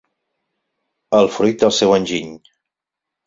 El fruit del seu enginy.